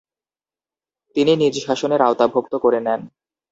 তিনি নিজ শাসনের আওতাভুক্ত করে নেন।